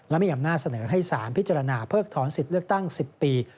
และมีอำนาจเสนอให้สารพิจารณาเพิกถอนสิทธิ์เลือกตั้ง๑๐ปี